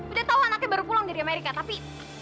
udah tahu anaknya baru pulang dari amerika tapi